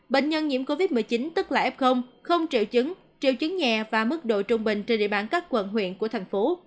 bệnh nhân nhiễm covid một mươi chín tức là f không triệu chứng triệu chứng nhẹ và mức độ trung bình trên địa bàn các quận huyện của thành phố